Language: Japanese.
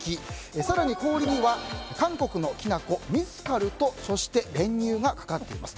更に、氷には韓国のきな粉、ミスカルとそして、練乳がかかっています。